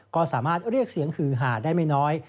ก็สามารถเรียกเสียงหือหาได้ไม่น้อย